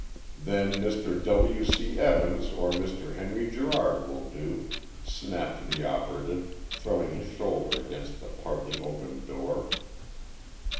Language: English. "Then Mr. W. C. Evans or Mr. Henry Gerard will do!" snapped the operative, throwing his shoulder against the partly opened door.